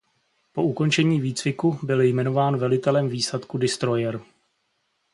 Po ukončení výcviku byl jmenován velitelem výsadku Destroyer.